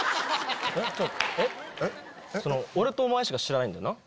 えっ俺とお前しか知らないんだよな？